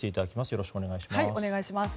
よろしくお願いします。